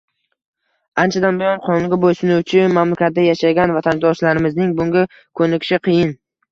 Anchadan buyon qonunga bo'ysunuvchi mamlakatda yashagan vatandoshlarimizning bunga ko'nikishi qiyin